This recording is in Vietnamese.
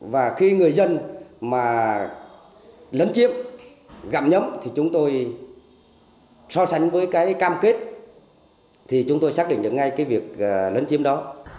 và khi người dân mà lấn chiếm gặp nhóm thì chúng tôi so sánh với cái cam kết thì chúng tôi xác định được ngay cái việc lấn chiếm đó